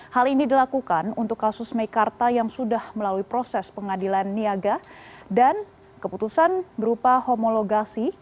hal ini dilakukan untuk kasus meikarta yang sudah melalui proses pengadilan niaga dan keputusan berupa homologasi